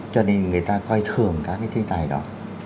cho nên người ta coi thường các cái thiên tài đó